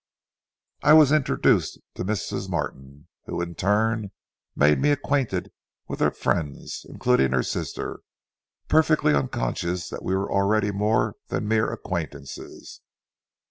I was introduced to Mrs. Martin, who, in turn, made me acquainted with her friends, including her sister, perfectly unconscious that we were already more than mere acquaintances.